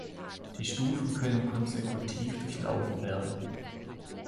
Die Stufen können konsekutiv durchlaufen werden.